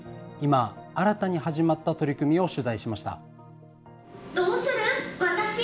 今、新たに始まった取り組みを取材しました。